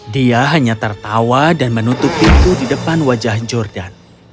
dia hanya tertawa dan menutup pintu di depan wajah jordan